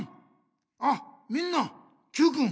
あみんなＱくん